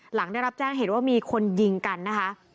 หลังได้รับแจ้งเหตุว่ามีคนยิงกันนะคะ